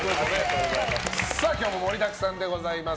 さあ、今日も盛りだくさんでございます。